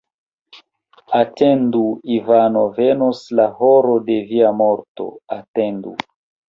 Atendu, Ivano: venos la horo de via morto, atendu!